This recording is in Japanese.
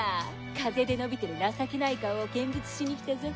風邪で伸びてる情けない顔を見物しに来たぞ。